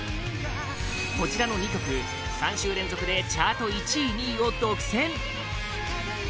こちらの２曲、３週連続でチャート１位、２位を独占！